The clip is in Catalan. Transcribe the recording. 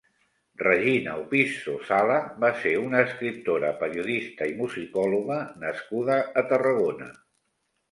Regina Opisso Sala va ser una escriptora, Periodista, i musicòloga nascuda a Tarragona.